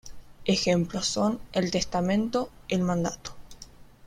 Ejemplos son el testamento, el mandato.